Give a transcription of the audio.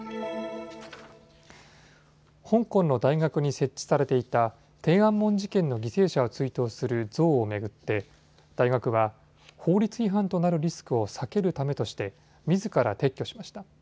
香港の大学に設置されていた天安門事件の犠牲者を追悼する像を巡って大学は法律違反となるリスクを避けるためとしてみずから撤去しました。